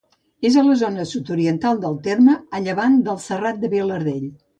És a la zona sud-oriental del terme, a llevant del Serrat del Vilardell.